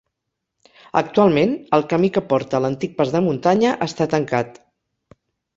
Actualment, el camí que porta a l'antic pas de muntanya està tancat.